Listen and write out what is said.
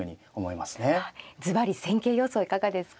ずばり戦型予想はいかがですか。